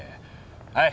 はい！